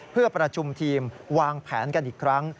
เพื่อประชุมทีมวางแผนกันอีกครั้ง